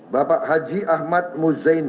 beras haji ahmad muzzaini